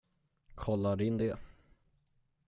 Kollar in det.